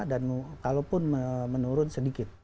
dan kalaupun menurun sedikit